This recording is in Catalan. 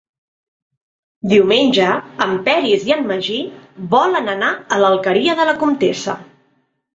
Diumenge en Peris i en Magí volen anar a l'Alqueria de la Comtessa.